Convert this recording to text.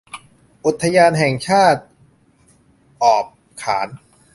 อุทยานแห่งชาติออบขาน